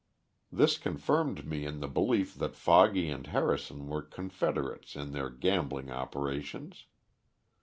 This confirmed me in the belief that Foggy and Harrison were confederates in their gambling operations.